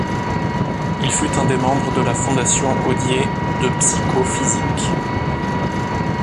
Il fut un des membres de la Fondation Odier de psycho-physique.